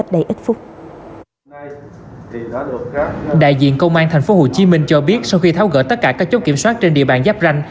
đại diện công an tp hcm cho biết sau khi tháo gỡ tất cả các chốt kiểm soát trên địa bàn giáp ranh